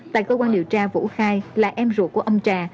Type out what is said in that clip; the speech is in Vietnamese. tại cơ quan điều tra vũ khai là em ruột của ông trà